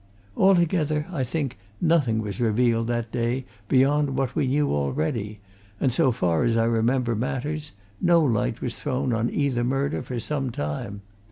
Altogether, I think, nothing was revealed that day beyond what we knew already, and so far as I remember matters, no light was thrown on either murder for some time.